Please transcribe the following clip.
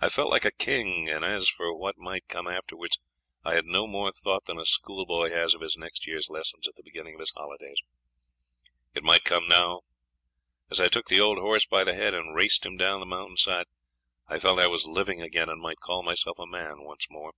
I felt like a king, and as for what might come afterwards I had no more thought than a schoolboy has of his next year's lessons at the beginning of his holidays. It might come now. As I took the old horse by the head and raced him down the mountain side, I felt I was living again and might call myself a man once more.